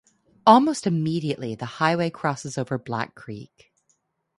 Almost immediately, the highway crosses over Black Creek.